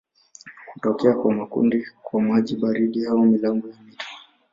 Hutokea kwa makundi kwa maji baridi au milango ya mito.